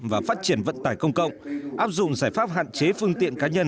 và phát triển vận tải công cộng áp dụng giải pháp hạn chế phương tiện cá nhân